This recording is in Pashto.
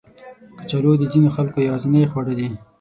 کچالو د ځینو خلکو یوازینی خواړه دي